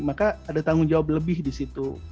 maka ada tanggung jawab lebih di situ